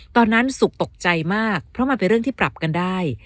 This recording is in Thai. ตอนนั้นสุขตกใจมากเพราะมันเป็นเรื่องที่ปรับกันได้